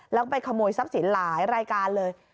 แล้วก็ไปขโมยทรัพย์สินหลายรายการเลย